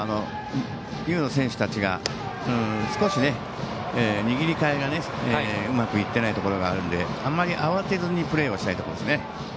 どうもきょうは丹生の選手たちが少し握りかえが、うまくいってないところがあるのであまり慌てずにプレーをしたいところですね。